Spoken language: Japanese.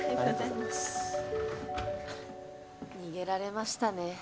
逃げられましたね。